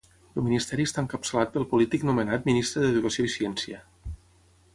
El ministeri està encapçalat pel polític nomenat Ministre d'Educació i Ciència.